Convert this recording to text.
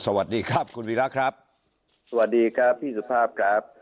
สวัสดีครับคุณวีระครับสวัสดีครับพี่สุภาพครับ